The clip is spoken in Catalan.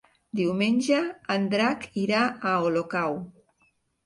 Diumenge en Drac irà a Olocau.